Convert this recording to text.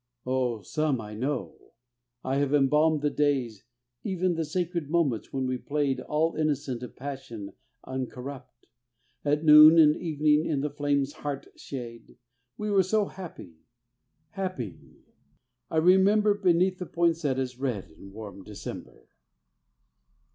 Oh, some I know! I have embalmed the days, Even the sacred moments, when we played, All innocent of passion uncorrupt, At noon and evening in the flame heart's shade: We were so happy, happy, I remember Beneath the poinsettia's red in warm December.